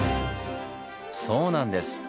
そうなんです！